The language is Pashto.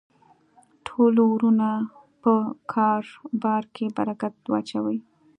ټولو ورونو په کاربار کی برکت واچوی